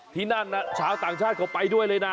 ที่นั่นชาวต่างชาติเขาไปด้วยเลยนะ